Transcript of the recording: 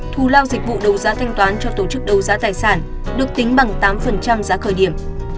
thù lao dịch vụ đấu giá thanh toán cho tổ chức đấu giá tài sản được tính bằng tám giá khởi điểm